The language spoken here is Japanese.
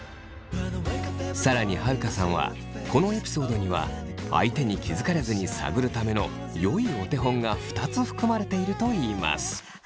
更に晴香さんはこのエピソードには相手に気づかれずに探るためのよいお手本が２つ含まれていると言います。